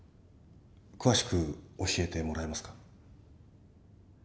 詳しく教えてもらえますか？